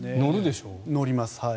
乗ります。